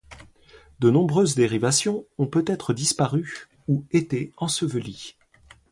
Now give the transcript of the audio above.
De nombreuses dérivations ont peut-être disparu ou été ensevelies.